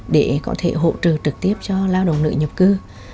để có thể hộ trừ trực tiếp cho lao động nữ nhập cư